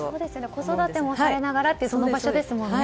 子育てもされながらとこの場所ですものね。